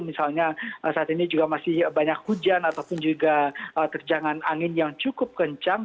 misalnya saat ini juga masih banyak hujan ataupun juga terjangan angin yang cukup kencang